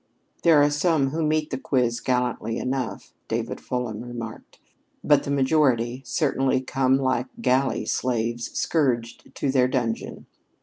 "There are some who meet the quiz gallantly enough," David Fulham remarked. "But the majority certainly come like galley slaves scourged to their dungeon.